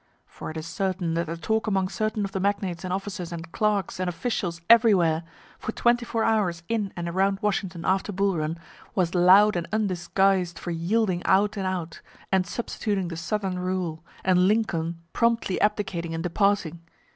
For it is certain that the talk among certain of the magnates and officers and clerks and officials everywhere, for twenty four hours in and around Washington after Bull Run, was loud and undisguised for yielding out and out, and substituting the southern rule, and Lincoln promptly abdicating and departing.